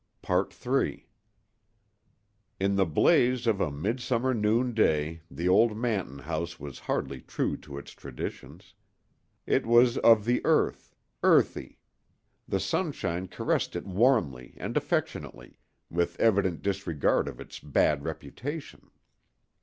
III In the blaze of a midsummer noonday the old Manton house was hardly true to its traditions. It was of the earth, earthy. The sunshine caressed it warmly and affectionately, with evident disregard of its bad reputation.